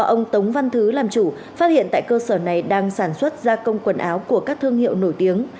ông tống văn thứ làm chủ phát hiện tại cơ sở này đang sản xuất gia công quần áo của các thương hiệu nổi tiếng